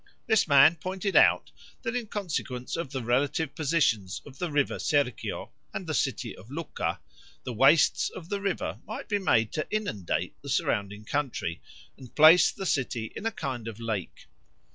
This man pointed out, that in consequence of the relative positions of the river Serchio and the city of Lucca, the wastes of the river might be made to inundate the surrounding country, and place the city in a kind of lake.